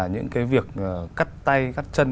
những cái việc cắt tay cắt chân